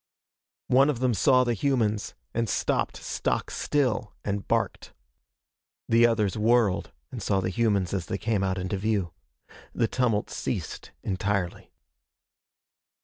One of them saw the humans and stopped stock still and barked. The others whirled and saw the humans as they came out into view. The tumult ceased entirely.